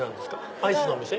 アイスの店？